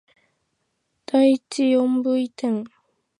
第一四分位点